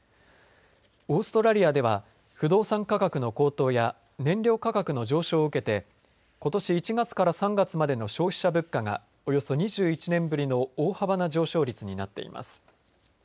オーストラリアでは不動産価格の高騰や燃料価格の上昇を受けてことし１月から３月までの消費者物価がおよそ２１年ぶりの大幅な上昇率になっています。